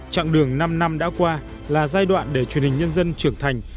trạng đường năm năm đã qua là giai đoạn để truyền hình nhân dân trưởng thành